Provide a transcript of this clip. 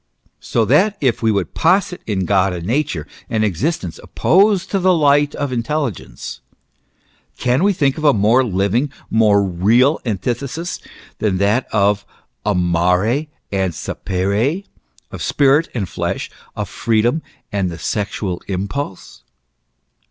" So that if we would posit in God a Nature, an existence opposed to the light of intelligence, can we think of a more living, a more real antithesis, than that of amare and sapere, of spirit and flesh, of freedom and the sexual impulse